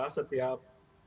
sampai partisipasi kita